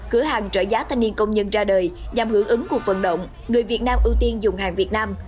cửa hàng trợ giá thanh niên công nhân ra đời nhằm hưởng ứng cuộc vận động người việt nam ưu tiên dùng hàng việt nam